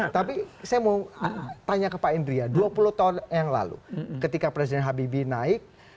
tapi saya mau tanya ke pak indria dua puluh tahun yang lalu ketika presiden habibie naik